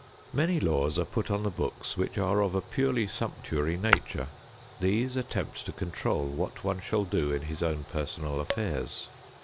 Many laws are put on the books which are of a purely sumptuary nature; these attempt to control what one shall do in his own personal affairs.